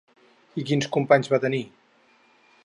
I quins companys va tenir?